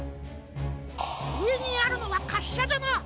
うえにあるのはかっしゃじゃな。